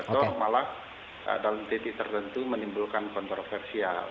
atau malah dalam titik tertentu menimbulkan kontroversial